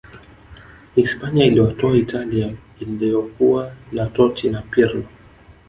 hispania iliwatoa italia iliyokuwa na totti na pirlo